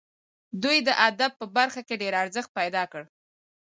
دوی د ادب په برخه کې ډېر ارزښت پیدا کړ.